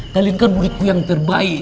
kalian kan buatku yang terbaik